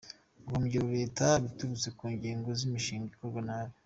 Guhombya leta biturutse ku nyigo z’imishinga ikorwa nabi .